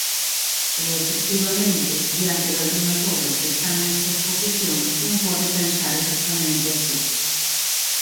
E, efectivamente, diante dalgunhas obras que están nesta exposición, un pode pensar exactamente así.